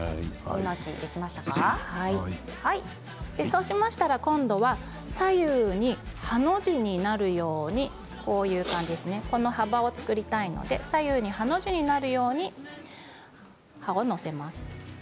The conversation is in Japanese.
そうしましたら左右にハの字になるように幅を作りたいので左右にハの字になるように葉っぱを載せます。